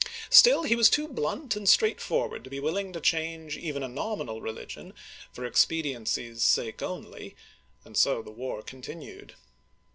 " Still, he was too blunt and straightforward to be willing to change even a nominal religion for expediency's sake only, and so the war continued.